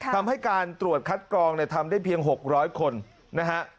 ทำให้การตรวจคัดกรองเนี่ยทำได้เพียง๖๐๐คนนะฮะ